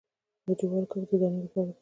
د جوارو کښت د دانې لپاره دی